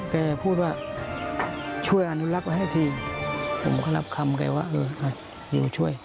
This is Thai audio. แกพูดว่าช่วยอนุรักษ์ให้ทีผมก็รับคำแกว่าอยู่ช่วย